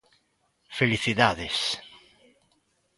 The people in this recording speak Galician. Felicidades.